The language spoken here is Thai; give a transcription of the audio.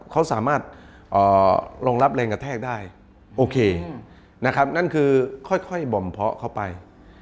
เขาสามารถลงรับแรงกระแทกได้โอเคนะครับนั่นคือค่อยบ่อมเพาะเข้าไป